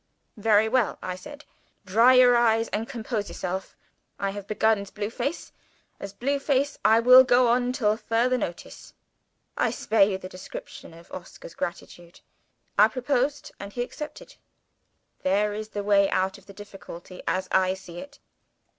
'Very well,' I said. 'Dry your eyes and compose yourself. I have begun as Blue Face. As Blue Face I will go on till further notice.' I spare you the description of Oscar's gratitude. I proposed; and he accepted. There is the way out of the difficulty as I see it."